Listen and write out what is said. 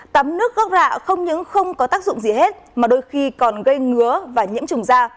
tắm nước gốc rạ không những không có tác dụng gì hết mà đôi khi còn gây ngứa và nhiễm trùng da